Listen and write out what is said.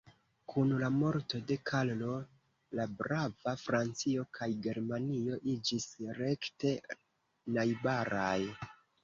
Kun la morto de Karlo la Brava, Francio kaj Germanio iĝis rekte najbaraj.